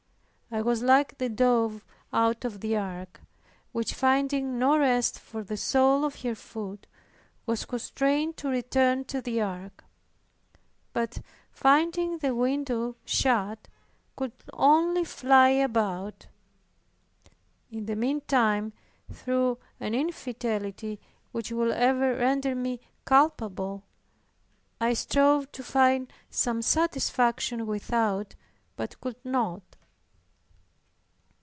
I was like the dove out of the ark, which finding no rest for the soul of her foot, was constrained to return to the ark; but, finding the window shut, could only fly about. In the meantime, through an infidelity which will ever render me culpable, I strove to find some satisfaction without, but could not.